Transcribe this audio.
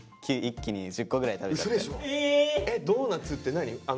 ドーナツって何？